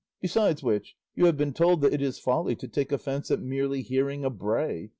Besides which, you have been told that it is folly to take offence at merely hearing a bray.